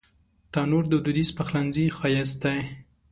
تنور د دودیز پخلنځي ښایست دی